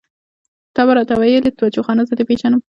ته به راته ويلې بچوخانه زه دې پېژنم.